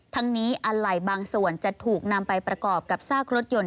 ทั้งนี้อะไรบางส่วนจะถูกนำไปประกอบกับซากรถยนต์